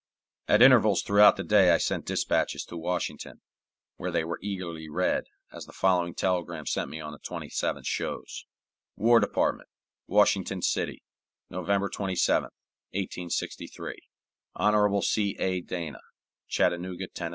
At intervals throughout the day I sent dispatches to Washington, where they were eagerly read, as the following telegram sent me on the 27th shows: WAR DEPARTMENT, WASHINGTON CITY, November 27, 1863. Hon. C. A. DANA, Chattanooga, Tenn.